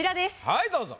はいどうぞ。